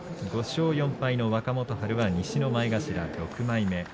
５勝４敗の若元春は西の前頭６枚目。